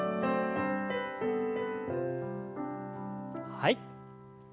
はい。